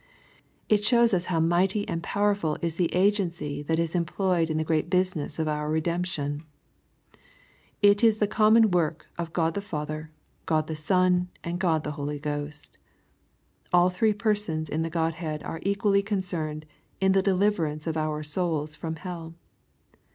It shows us how mighty and powerful is the agency that is employed in the great business of our redemption. It is the common work of God the Father, God the Son, and God the Holy Ghost. All Three Persons in the Gtod head are eq^ually concerned in the deliverance of our souls from hell.